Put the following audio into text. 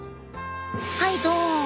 はいどん。